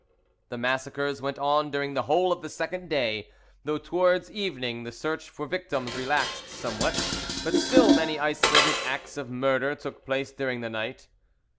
The massacres went on during the whole of the second day, though towards evening the search for victims relaxed somewhat; but still many isolated acts of murder took place during the night.